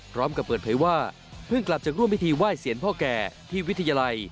พร้อมกับเปิดเผยว่าเพิ่งกลับจากร่วมพิธีไหว้เสียงพ่อแก่ที่วิทยาลัย